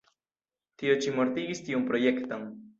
Tio ĉi mortigis tiun projekton.